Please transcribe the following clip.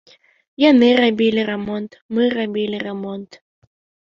Яны рабілі рамонт, мы рабілі рамонт.